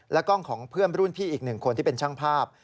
กล้องของเพื่อนรุ่นพี่อีกหนึ่งคนที่เป็นช่างภาพ